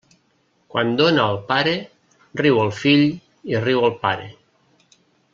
Quan dóna el pare, riu el fill i riu el pare.